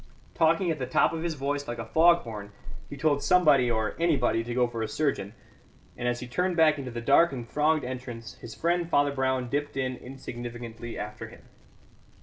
Talking at the top of his voice like a fog horn, he told somebody or anybody to go for a surgeon; and as he turned back into the dark and thronged entrance his friend Father Brown dipped in insignificantly after him.